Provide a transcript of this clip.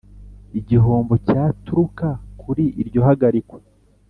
igihombo cyaturuka kuri iryo hagarikwa